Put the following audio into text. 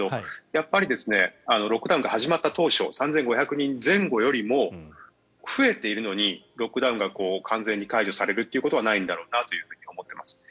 やっぱりロックダウンが始まった当初３５００人前後よりも増えているのにロックダウンが完全に解除されるのはないんだろうと思っています。